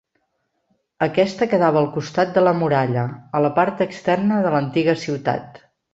Aquesta quedava al costat de la muralla, a la part externa de l'antiga ciutat.